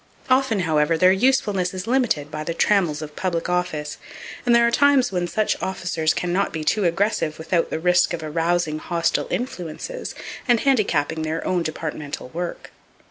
Often, however, their usefulness is limited by the trammels of public office, and there are times when such officers can not be too aggressive without the risk of arousing hostile influences, and handicapping their own departmental work.